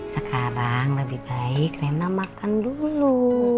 sekarang lebih baik rena makan dulu